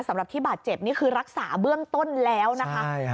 สำหรับที่บาดเจ็บนี่คือรักษาเบื้องต้นแล้วนะคะ